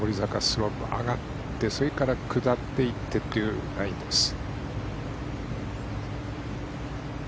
スロープを上がってそれから下っていってというラインです。